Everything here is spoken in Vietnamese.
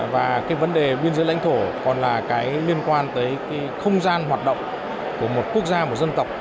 và vấn đề biên giới lãnh thổ còn liên quan tới không gian hoạt động của một quốc gia một dân tộc